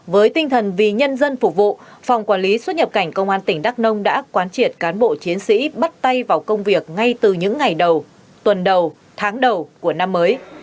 với tinh thần vì nhân dân phục vụ phòng quản lý xuất nhập cảnh công an tỉnh đắk nông đã quán triệt cán bộ chiến sĩ bắt tay vào công việc ngay từ những ngày đầu tuần đầu tháng đầu của năm mới